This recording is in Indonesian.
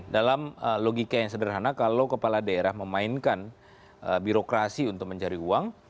dalam logika yang sederhana kalau kepala daerah memainkan birokrasi untuk mencari uang